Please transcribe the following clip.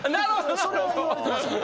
それは言われてました。